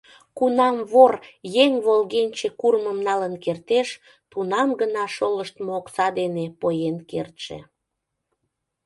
Кунам вор еҥ волгенче курымым налын кертеш, тунам гына шолыштмо окса дене поен кертше.